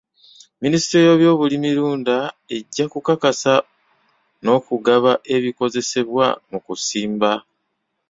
Minisitule y'ebyobulimirunda ejja kukakasa n'okugaba ebikozesebwa mu kusimba.